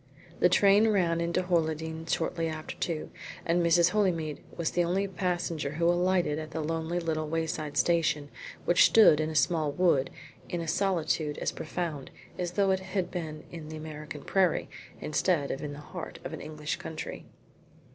The train ran into Horleydene shortly after two, and Mrs. Holymead was the only passenger who alighted at the lonely little wayside station which stood in a small wood in a solitude as profound as though it had been in the American prairie, instead of the heart of an English county.